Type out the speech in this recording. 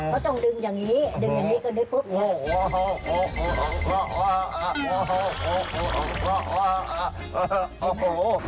เขาต้องดึงอย่างนี้ดึงอย่างนี้ก็ได้ปุ๊บโอ้โห